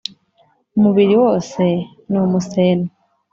umubiri wose ni umuseno